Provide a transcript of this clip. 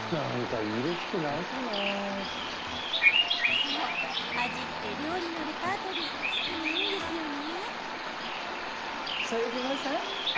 そう、アジって料理のレパートリー少ないんですよね。